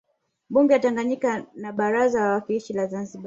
Bunge la Tanganyika na Baraza la Wawakilishi la Zanzibar